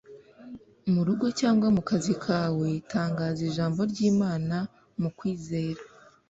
mu rugo cyangwa mu kazi kawe tangaza ijambo ry'Imana mu kwizera